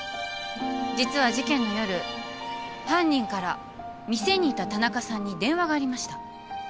実は事件の夜犯人から店にいた田中さんに電話がありました。